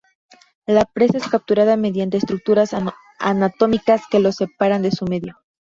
La presa es capturada mediante estructuras anatómicas que lo separan de su medio.